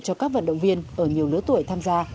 cho các vận động viên ở nhiều lứa tuổi tham gia